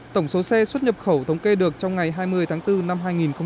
tổng số xe xuất nhập khẩu thống kê được trong ngày hai mươi tháng bốn năm hai nghìn hai mươi